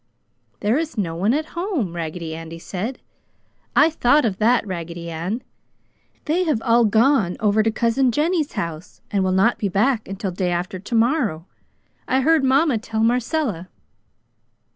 "There is no one at home!" Raggedy Andy said. "I thought of that, Raggedy Ann. They have all gone over to Cousin Jenny's house and will not be back until day after tomorrow. I heard Mama tell Marcella."